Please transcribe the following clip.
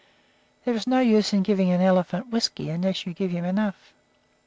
There is no use giving an elephant whisky unless you give him enough.